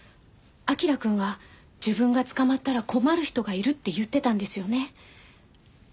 彬くんは自分が捕まったら困る人がいるって言ってたんですよね？